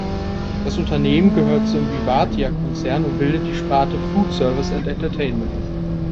Das Unternehmen gehört zum Vivartia-Konzern und bildet die Sparte "Food Services and Entertainment".